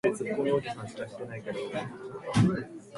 兄は天才である